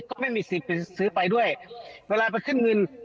ก็ไม่มีสิทธิ์ไปซื้อไปด้วยเวลาไปขึ้นเงิน